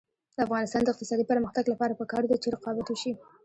د افغانستان د اقتصادي پرمختګ لپاره پکار ده چې رقابت وشي.